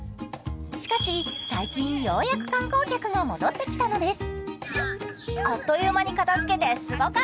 しかし、最近ようやく観光客が戻ってきたのです。